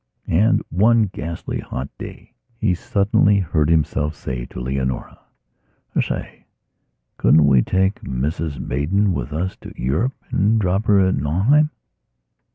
And, one ghastly hot day, he suddenly heard himself say to Leonora: "I say, couldn't we take Mrs Maidan with us to Europe and drop her at Nauheim?"